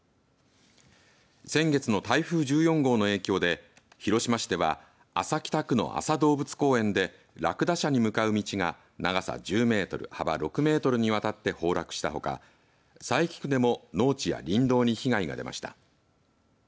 先月の台風１４号の影響で広島市では安佐北区の安佐動物公園でらくだ舎に向かう道が長さ１０メートル、幅６メートルにわたって崩落したほか佐伯区でも農地や林道に被害が出ました。